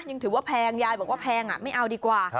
ยังถือว่าแพงยายบอกว่าแพงไม่เอาดีกว่า